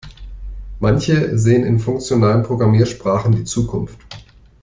Manche sehen in funktionalen Programmiersprachen die Zukunft.